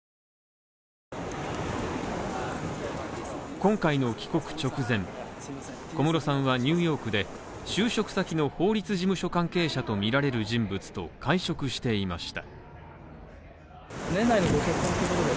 今回の帰国直前、小室さんはニューヨークで就職先の法律事務所関係者とみられる人物と会食していました。